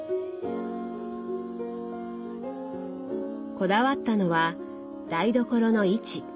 こだわったのは台所の位置。